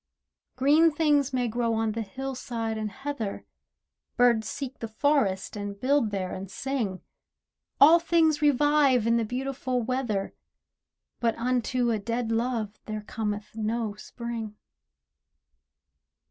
Green things may grow on the hillside and heather, Birds seek the forest and build there and sing. All things revive in the beautiful weather, But unto a dead love there cometh no Spring.